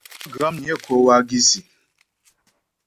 Má'a Guamnyə kwə wágisî.